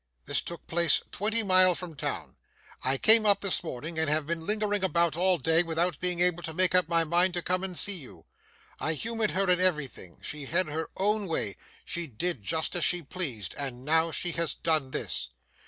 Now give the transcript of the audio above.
This took place twenty mile from town. I came up this morning, and have being lingering about all day, without being able to make up my mind to come and see you. I humoured her in everything, she had her own way, she did just as she pleased, and now she has done this.